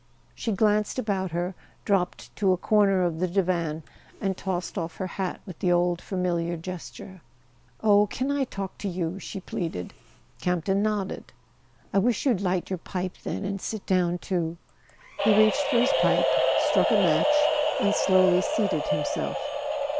She glanced about her, dropped to a corner of the divan, and tossed off her hat with the old familiar gesture. "Oh, can I talk to you?" she pleaded. Camp ton nodded. "I wish you'd light your pipe, then, and sit down too." He reached for his pipe, struck a match, and slowly seated himself.